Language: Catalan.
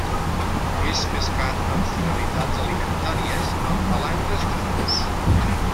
És pescat amb finalitats alimentàries amb palangres de fons.